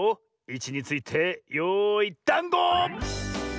いちについてよいダンゴ！